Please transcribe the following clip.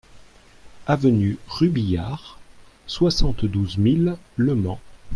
Avenue Rubillard, soixante-douze mille Le Mans